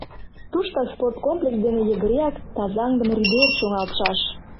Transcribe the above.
Туштак спорт комплекс дене йыгыреак тазаҥдыме рӱдер чоҥалтшаш.